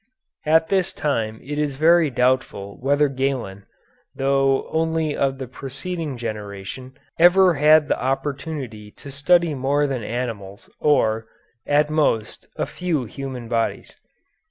At this time it is very doubtful whether Galen, though only of the preceding generation, ever had the opportunity to study more than animals or, at most, a few human bodies.